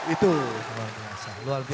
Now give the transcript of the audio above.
itu luar biasa